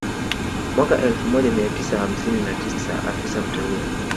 Mwaka elfu moja mia tisa hamsini na tisa afisa mteule